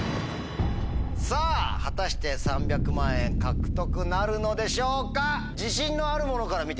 さぁ果たして３００万円獲得なるのでしょうか？